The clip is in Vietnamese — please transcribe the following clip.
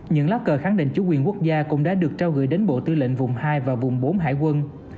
những lá cờ khẳng định chủ quyền quốc gia cũng đã được trao gửi đến bộ tư lệnh vùng hai và vùng bốn hải quân